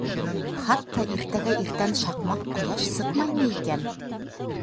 Хатта иртәгә иртән шаҡмаҡ ҡояш сыҡмаймы икән?